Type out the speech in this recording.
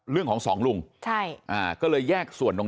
เรื่องของสองลุง